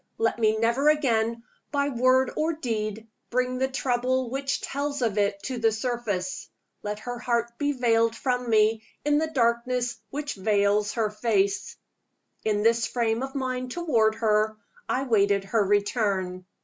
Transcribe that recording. let me never again, by word or deed, bring the trouble which tells of it to the surface! let her heart be veiled from me in the darkness which veils her face! In this frame of mind toward her, I waited her return.